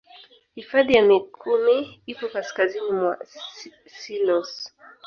Hifadhi ya mikumi ipo kasikazini mwa selous